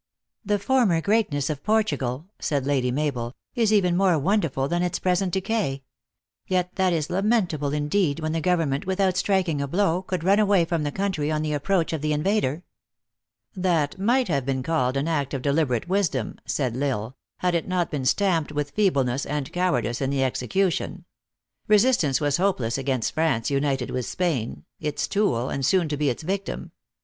"The former greatness of Portugal," said Lady Mabel, "is even more wonderful than its present decay. Yet that is lamentable, indeed, when the gov ernment, without striking a blow, could run away from the country on the approach of the invader." " That might have been called an act of deliberate wisdom," said L Isle, "had it not been stamped with feebleness and cowardice in the execution. Resist ance was hopeless against France united with Spain, its tool, and soon to be its victim.